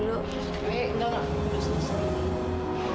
nih nona udah selesai